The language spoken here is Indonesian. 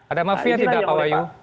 ada mafia tidak pak wahyu